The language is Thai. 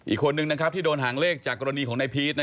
อีกคนนึงที่โดนหางเลขจากกรณีของนายพีช